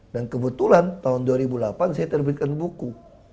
kebetulan tahun dua ribu delapan saya terbitkan buku